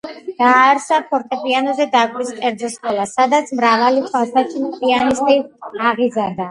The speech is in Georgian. დააარსა ფორტეპიანოზე დაკვრის კერძო სკოლა, სადაც მრავალი თვალსაჩინო პიანისტი აღიზარდა.